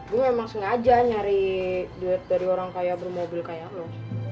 gue memang sengaja nyari duit dari orang kayak bermobil kayak lo